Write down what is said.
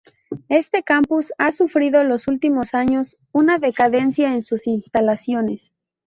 Este campus ha sufrido los últimos años una decadencia en sus instalaciones.